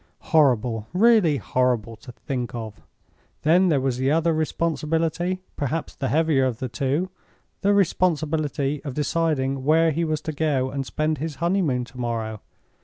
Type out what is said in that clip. Horrible! Really horrible to think of. Then there was the other responsibility—perhaps the heavier of the two—the responsibility of deciding where he was to go and spend his honeymoon to morrow.